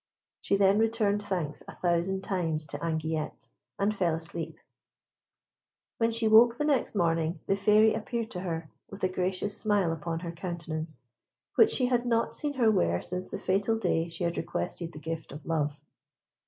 She then returned thanks a thousand times to Anguillette, and fell asleep. When she awoke the next morning the Fairy appeared to her with a gracious smile upon her countenance, which she had not seen her wear since the fatal day she had requested the gift of love.